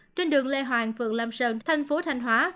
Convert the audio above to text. trên đường lê hoàng phường lam sơn thành phố thanh hóa